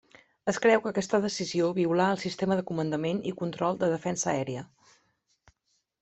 Es creu que aquesta decisió violà el sistema de comandament i control de defensa aèria.